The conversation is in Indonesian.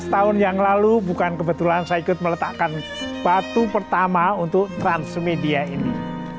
lima belas tahun yang lalu bukan kebetulan saya ikut meletakkan batu pertama untuk transmedia ini